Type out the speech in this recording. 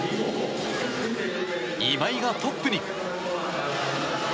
今井がトップに。